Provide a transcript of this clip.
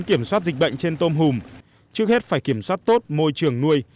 kiểm soát dịch bệnh trên tôm hùm trước hết phải kiểm soát tốt môi trường nuôi